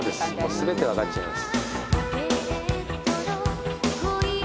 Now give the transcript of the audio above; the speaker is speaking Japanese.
全て分かっちゃいます。